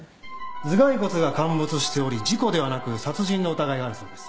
頭蓋骨が陥没しており事故ではなく殺人の疑いがあるそうです。